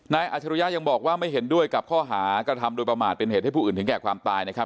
อาจรุยะยังบอกว่าไม่เห็นด้วยกับข้อหากระทำโดยประมาทเป็นเหตุให้ผู้อื่นถึงแก่ความตายนะครับ